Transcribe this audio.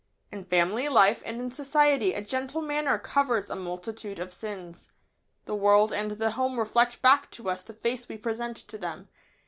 ] In family life and in society a gentle manner "covers a multitude of sins." The world and the home reflect back to us the face we present to them.